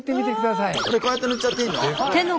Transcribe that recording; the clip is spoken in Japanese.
こうやって塗っちゃっていいの？